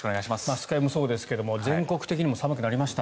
酸ケ湯もそうですが全国的に寒くなりました。